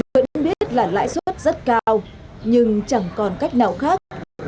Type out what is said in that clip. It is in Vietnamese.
vẫn biết là lãi suất rất cao nhưng chẳng còn cách nào khác